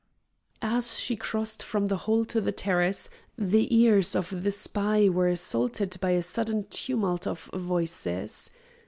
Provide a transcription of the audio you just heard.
As she crossed from the hall to the terrace, the ears of the spy were assaulted by a sudden tumult of voices.